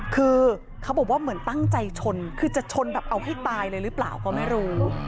คือเขาบอกว่าเหมือนตั้งใจชนคือจะชนแบบเอาให้ตายเลยหรือเปล่าก็ไม่รู้